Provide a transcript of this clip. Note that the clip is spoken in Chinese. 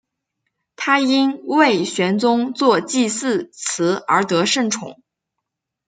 他因为玄宗作祭祀词而得圣宠。